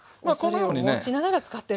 おそれを持ちながら使ってる。